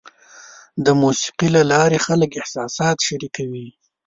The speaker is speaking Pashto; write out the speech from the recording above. د موسیقۍ له لارې خلک احساسات شریکوي.